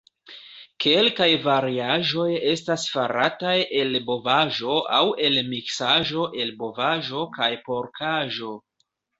Kelkaj variaĵoj estas farataj el bovaĵo aŭ el miksaĵo el bovaĵo kaj porkaĵo.